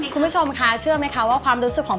คุณผู้ชมคะเชื่อไหมคะว่าความรู้สึกของ